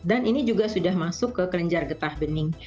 dan ini juga sudah masuk ke kerenjar getah bening